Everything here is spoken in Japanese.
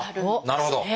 なるほど！